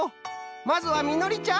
まずはみのりちゃん。